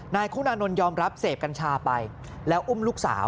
นายคุณานนท์ยอมรับเสพกัญชาไปแล้วอุ้มลูกสาว